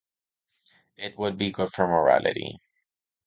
It would be good for morality.